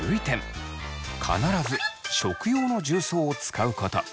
必ず食用の重曹を使うこと。